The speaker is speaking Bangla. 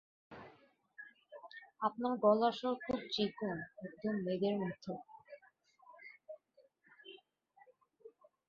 তার গলার স্বর খুব চিকন এবং একদম মেয়েদের মত।